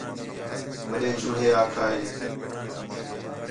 وݙّے چوہے آکھا ہِے